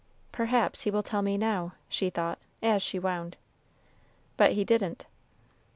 "Perhaps he will tell me now," she thought, as she wound. But he didn't.